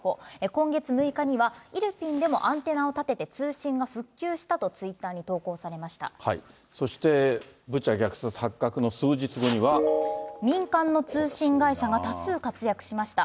今月６日には、イルピンでもアンテナを立てて通信が復旧したとツイッターに投稿そしてブチャ虐殺発覚の数日民間の通信会社が多数活躍しました。